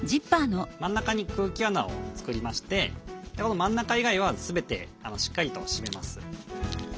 真ん中に空気穴を作りましてこの真ん中以外は全てしっかりと締めます。